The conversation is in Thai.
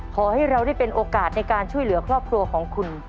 ขอให้เราได้เป็นโอกาสในการช่วยเหลือครอบครัวของคุณ